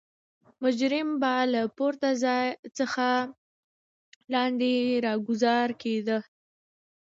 مجرم به له پورته څخه لاندې راګوزار کېده.